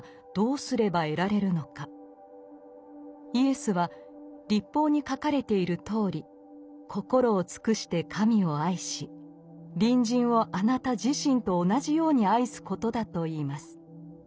イエスは律法に書かれているとおり心を尽くして神を愛し隣人をあなた自身と同じように愛すことだと言います。